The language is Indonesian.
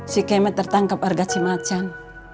si kema tertangkap warga cimacan